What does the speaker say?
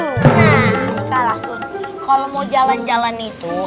nah haikalah sun kalau mau jalan jalan itu